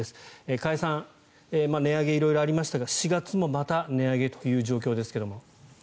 加谷さん、値上げ色々ありましたが４月もまた値上げという状況ですが。